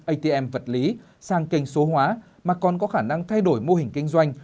atm vật lý sang kênh số hóa mà còn có khả năng thay đổi mô hình kinh doanh